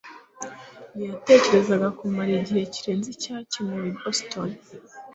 ntiyashakaga kumara igihe kirenze icyakenewe i Boston